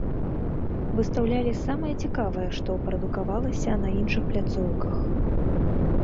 Выстаўлялі самае цікавае, што прадукавалася на іншых пляцоўках.